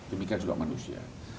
demikian juga manusia